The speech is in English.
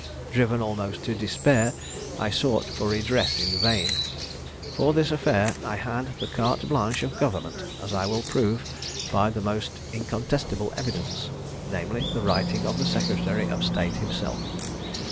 Driven almost to despair, I sought for redress in vain. For this affair I had the carte blanche of government, as I will prove by the most incontestible evidence, namely, the writing of the secretary of state himself.